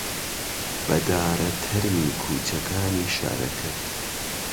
بەدارە تەرمی کووچەکانی شارەکەت